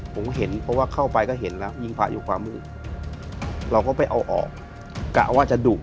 ผมเห็นเพราะว่าเข้าไปก็เห็นแล้ว